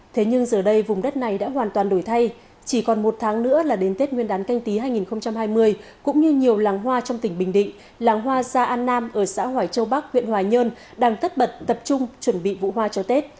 thế nhưng giờ đây vùng đất này đã hoàn toàn đổi thay chỉ còn một tháng nữa là đến tết nguyên đán canh tí hai nghìn hai mươi cũng như nhiều làng hoa trong tỉnh bình định làng hoa sa an nam ở xã hoài châu bắc huyện hoài nhơn đang tất bật tập trung chuẩn bị vụ hoa cho tết